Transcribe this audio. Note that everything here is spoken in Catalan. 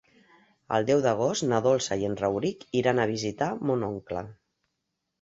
El deu d'agost na Dolça i en Rauric iran a visitar mon oncle.